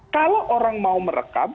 kalau orang mau merekam